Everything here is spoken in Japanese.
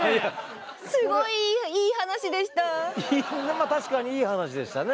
まあ確かにいい話でしたね。